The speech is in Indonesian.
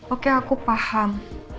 oke aku paham